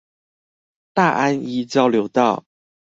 大安一交流道